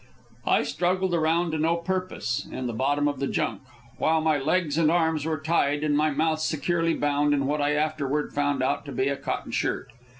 I struggled around to no purpose in the bottom of the junk, while my legs and arms were tied and my mouth securely bound in what I afterward found out to be a cotton shirt.